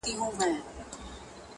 پدې سره ويلای سو چي